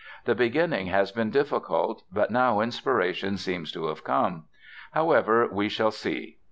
The beginning has been difficult; but now inspiration seems to have come. However, we shall see."